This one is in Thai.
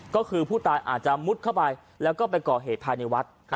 ก็คือผู้ตายอาจจะมุดเข้าไปแล้วก็ไปก่อเหตุภายในวัด